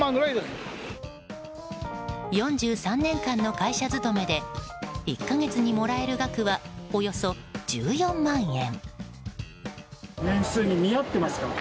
４３年間の会社勤めで１か月にもらえる額はおよそ１４万円。